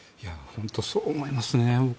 本当にそう思いますね。